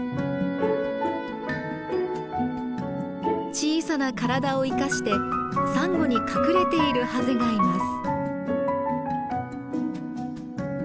小さな体を生かしてサンゴに隠れているハゼがいます。